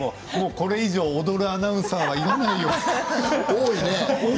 これ以上踊るアナウンサーは多いね。